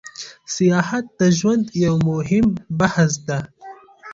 سیاحت د ژوند یو موهیم بحث ده